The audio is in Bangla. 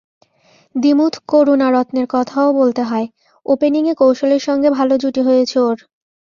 দিমুথ করুনারত্নের কথাও বলতে হয়, ওপেনিংয়ে কৌশলের সঙ্গে ভালো জুটি হয়েছে ওর।